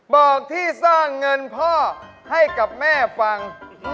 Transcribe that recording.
บอกที่สร้างเงินพ่อให้กับแม่ฟัง